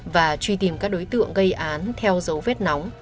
và truy tìm các đối tượng gây án theo dấu vết nóng